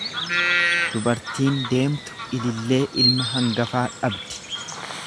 Dubartiin deemtu ilillee ilma hangafaa dhabdi.